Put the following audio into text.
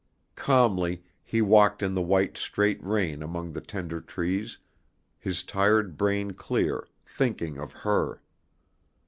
Calmly he walked in the white straight rain among the tender trees, his tired brain clear, thinking of her.